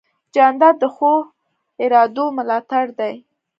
جانداد د ښو ارادو ملاتړ دی.